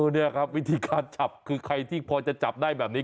นี่ครับวิธีการจับคือใครที่พอจะจับได้แบบนี้